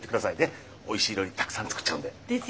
おいしい料理たくさん作っちゃうんで。ですよねえ。